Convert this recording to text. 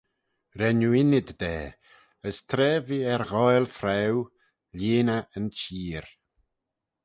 Ren oo ynnyd da: as tra ve er ghoaill fraue, lhieen eh yn cheer.